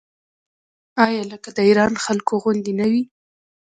آیا لکه د ایران خلکو غوندې نه وي؟